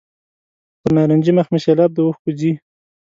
پر نارنجي مخ مې سېلاب د اوښکو ځي.